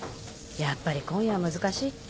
やっぱり今夜は難しいって。